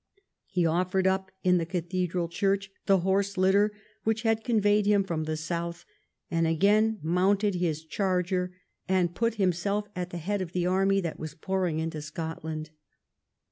He offered up in the cathedral church the horse litter which had con veyed him from the south, and again mounted his charger and put himself at the head of the army that was pouring into Scotland.